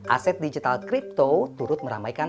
aset digital crypto turut meramaikan